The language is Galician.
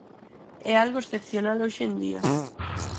É algo excepcional hoxe en día.